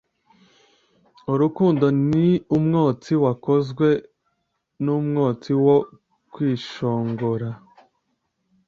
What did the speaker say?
Urukundo ni umwotsi wakozwe numwotsi wo kwishongora.”